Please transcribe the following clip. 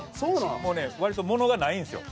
もうね割と物がないんですよ。